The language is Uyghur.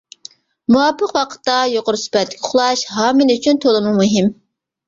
مۇۋاپىق ۋاقىتتا، يۇقىرى سۈپەتلىك ئۇخلاش، ھامىلە ئۈچۈن تولىمۇ مۇھىم.